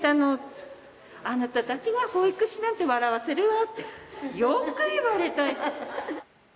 「あなたたちが保育士なんて笑わせるわ」ってよく言われた。